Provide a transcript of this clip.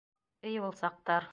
Эй, ул саҡтар.